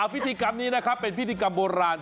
พิธีกรรมนี้นะครับเป็นพิธีกรรมโบราณ